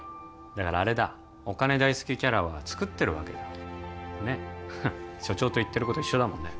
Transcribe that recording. だからあれだお金大好きキャラは作ってるわけだねっ所長と言ってること一緒だもんね